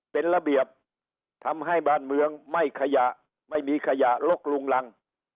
เป็นระเบียบทำให้บ้านเมืองไม่ขยะไม่มีขยะลกลุงรัง